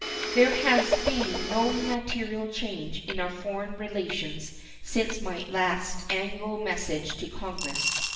There has been no material change in our foreign relations since my last annual message to Congress.